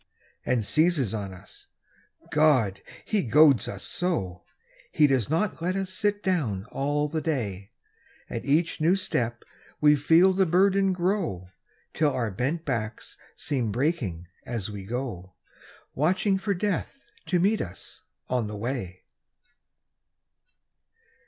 And seizes on us. God! he goads us so! He does not let us sit down all the day. At each new step we feel the burden grow, Till our bent backs seem breaking as we go, Watching for Death to meet us on the way.